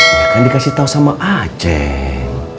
ya kan dikasih tahu sama aceh